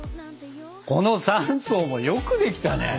この３層もよくできたね。